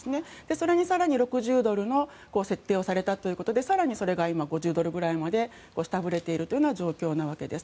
それに更に６０ドルの設定をされたということで更にそれが今５０ドルぐらいまで下振れているという状況のわけです。